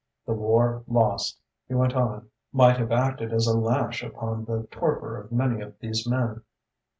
The war lost," he went on, "might have acted as a lash upon the torpor of many of these men.